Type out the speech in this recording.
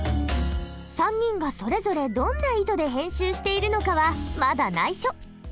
３人がそれぞれどんな意図で編集しているのかはまだないしょ。